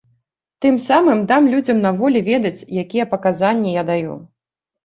Тым самым дам людзям на волі ведаць якія паказанні я даю.